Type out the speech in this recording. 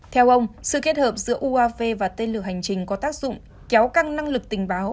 theo ông sự kết hợp giữa uav và tên lửa hành trình có tác dụng kéo căng lực tình báo